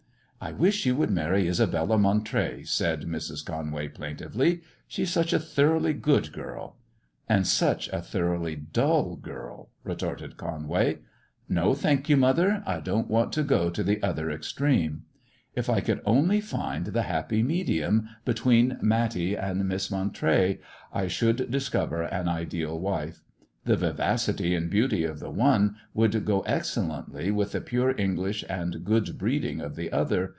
" I wish you would marry Isabella Montray," said Mrs. Conway, plaintively ;" she is such a thoroughly good girl." " And such a thoroughly dull girl," retorted Conway, " No, thank you, mother ; I don't want to go to the other 176 lass JONATHAN extreme. If I could only find the happy medium between Matty and Miss Montray, I should discover an ideal wife. The vivacity and beauty of the one would go excellently with the pure English and good breeding of the other.